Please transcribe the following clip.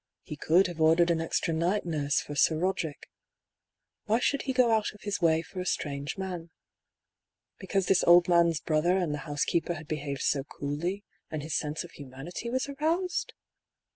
He could have ordered an extra night nurse for Sir Eoderick. Why should he go out of his way for a strange man? Because this old man's brother and the housekeeper had behaved so coolly, and his sense of humanity was aroused